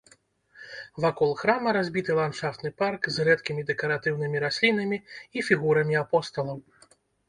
Вакол храма разбіты ландшафтны парк з рэдкімі дэкаратыўнымі раслінамі і фігурамі апосталаў.